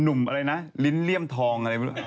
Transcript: หนุ่มอะไรนะริ้นเหลี่ยมทอง